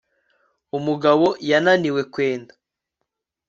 umugabo yananiwe kwenda